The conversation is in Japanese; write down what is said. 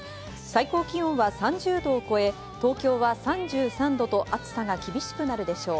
最高気温は３０度を超え、東京は３３度と暑さが厳しくなるでしょ